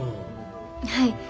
はい。